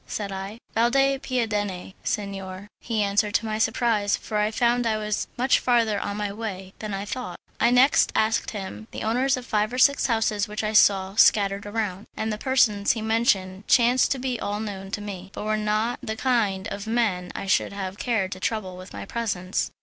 said I. "Valde Piadene, signor," he answered, to my surprise, for I found I was much farther on my way that I thought. I next asked him the owners of five or six houses which I saw scattered around, and the persons he mentioned chanced to be all known to me, but were not the kind of men I should have cared to trouble with my presence.